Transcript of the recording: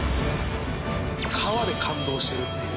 皮で感動してるっていう。